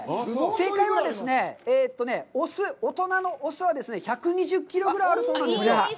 正解はですね、大人の雄は１２０キロぐらいあるそうなんです。